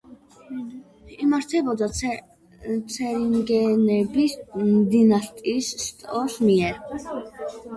იმართებოდა ცერინგენების დინასტიის შტოს მიერ.